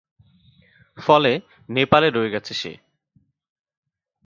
ফলে নেপালে রয়ে গেছে সে।